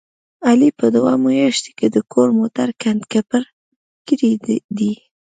علي په دوه میاشتو کې د کور موټر کنډ کپر کړی دی.